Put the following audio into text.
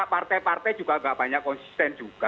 partai partai juga gak banyak konsisten juga